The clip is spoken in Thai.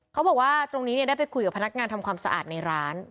เขาบอกว่าตรงนี้ได้ไปคุยกับพนักงานทำความสะอาดในร้าน